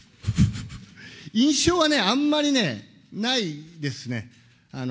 印象はね、あんまりね、ないですね。